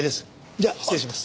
じゃあ失礼します。